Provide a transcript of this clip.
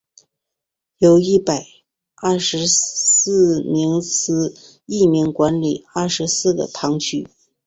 由一百廿四名司铎名管理廿四个堂区。